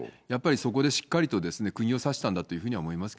やっぱりそこでしっかりと、くぎを刺したんだというふうに思い